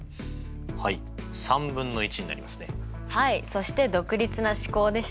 そして独立な試行でしたね。